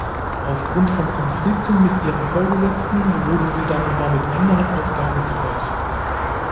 Aufgrund von Konflikten mit ihren Vorgesetzten wurde sie dann aber mit anderen Aufgaben betreut.